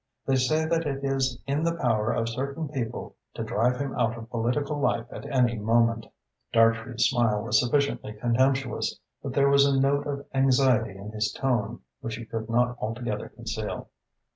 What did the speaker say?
"They say that it is in the power of certain people to drive him out of political life at any moment." Dartrey's smile was sufficiently contemptuous but there was a note of anxiety in his tone which he could not altogether conceal.